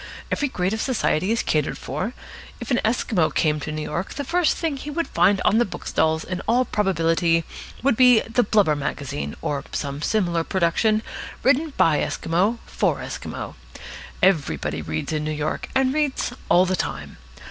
Every grade of society is catered for. If an Esquimau came to New York, the first thing he would find on the bookstalls in all probability would be the Blubber Magazine, or some similar production written by Esquimaux for Esquimaux. Everybody reads in New York, and reads all the time.